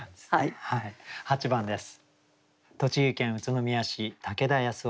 ８番です。